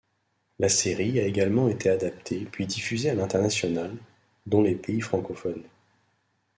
La série a également été adaptée puis diffusée à l'international, dont les pays francophones.